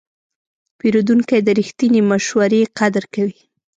پیرودونکی د رښتینې مشورې قدر کوي.